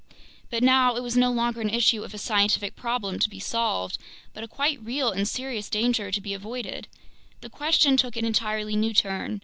But now it was no longer an issue of a scientific problem to be solved, but a quite real and serious danger to be avoided. The question took an entirely new turn.